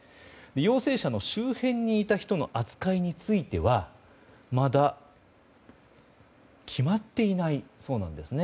陽性者の周辺にいた人の扱いについてはまだ決まっていないそうなんですね。